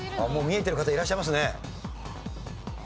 見えてる方いらっしゃいますね。